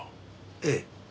ええ。